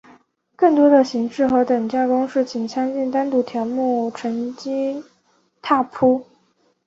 更多的形式和等价公式请参见单独条目乘积拓扑。